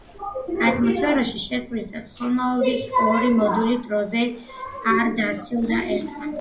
ატმოსფეროში შესვლისას ხომალდის ორი მოდული დროზე არ დასცილდა ერთმანეთს.